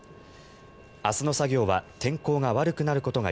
明日の作業は天候が悪くなることが